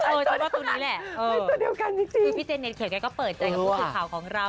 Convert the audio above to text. เออฉันว่าตัวนี้แหละเออพี่เจนเน็ตเขียวกันก็เปิดใจกับผู้ข่าวของเรา